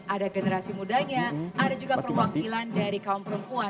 ada generasi mudanya ada juga perwakilan dari kaum perempuan